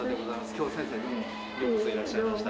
今日先生どうもようこそいらっしゃいました。